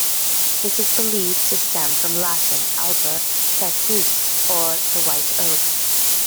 It is believed to stem from Latin, "alba quercus", or "the white oak".